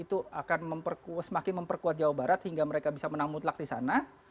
itu akan semakin memperkuat jawa barat hingga mereka bisa menang mutlak di sana